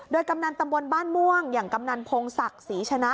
โดยกำนันตำบลบ้านม่วงอย่างกำนันพงศักดิ์ศรีชนะ